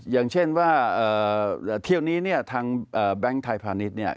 อย่างเช่นว่าเที่ยวนี้เนี่ยทางแบงค์ไทยพาณิชย์เนี่ย